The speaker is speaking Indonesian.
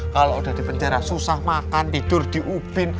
kalau udah dipenjara susah makan tidur di ubin